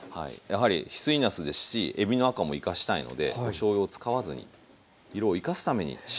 やはり翡翠なすですしえびの赤も生かしたいのでおしょうゆを使わずに色を生かすために塩を使っています。